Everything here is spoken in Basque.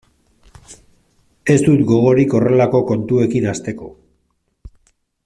Ez dut gogorik horrelako kontuekin hasteko.